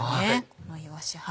このいわし。